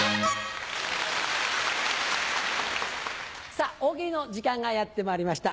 さぁ大喜利の時間がやってまいりました。